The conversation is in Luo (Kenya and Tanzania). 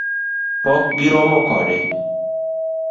Pok giromo kode